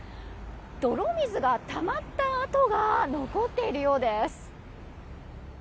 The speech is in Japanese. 泥水がたまった跡が残っているようです。